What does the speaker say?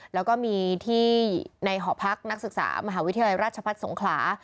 แล้วก็มีที่ในหอพักนักศึกษามหาวิทยาลัยราชพัฒน์สงขลา